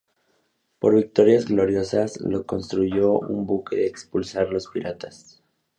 Por victorias gloriosas, lo construyó un buque de expulsar los piratas.